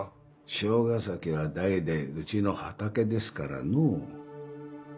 汐ヶ崎は代々うちの畑ですからのう。